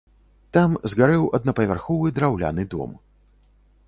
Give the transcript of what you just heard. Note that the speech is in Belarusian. Там згарэў аднапавярховы драўляны дом.